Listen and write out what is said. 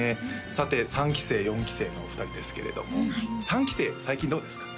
さて３期生４期生のお二人ですけれども３期生最近どうですか？